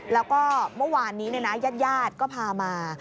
แล้วก็เมื่อวานนี้ญาติก็พามา